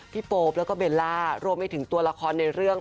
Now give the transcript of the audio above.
โป๊ปแล้วก็เบลล่ารวมไปถึงตัวละครในเรื่อง